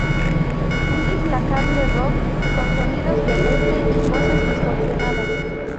Un implacable rock, con sonidos del este y voces distorsionadas.